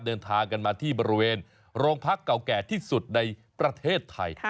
เดินทางกันมาที่บริเวณโรงพักเก่าแก่ที่สุดในประเทศไทย